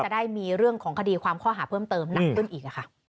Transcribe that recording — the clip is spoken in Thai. ได้มีเรื่องของคดีความข้อหาเพิ่มเติมหนักขึ้นอีกค่ะ